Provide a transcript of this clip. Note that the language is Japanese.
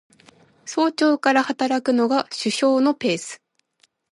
早朝から働くのが首相のペース